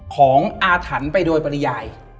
ของอาถรรพ์ไปโดยปริยาย